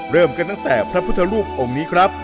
เริ่มกันตั้งแต่พระพุทธรูปองค์นี้ครับ